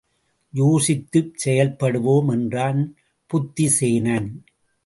யோசித்துச் செயல்படுவோம் என்றான் புத்திசேனன்.